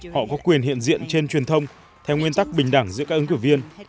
họ có quyền hiện diện trên truyền thông theo nguyên tắc bình đẳng giữa các ứng cử viên